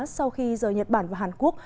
sau khi rời nhật bản và hàn quốc